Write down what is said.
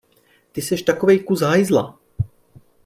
Ty seš takovej kus hajzla!